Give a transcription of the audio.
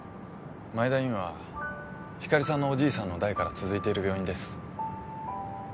前田医院はひかりさんのおじいさんの代から続いている病院です。